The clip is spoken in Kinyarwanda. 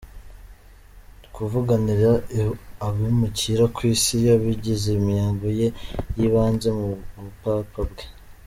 Kuvuganira abimukira ku isi yabigize intego ye y'ibanze mu bu papa bwe.